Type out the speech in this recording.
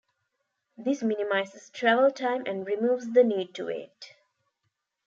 This minimizes travel time and removes the need to wait.